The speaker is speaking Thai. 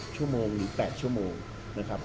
๖๘ชั่วโมงนะครับ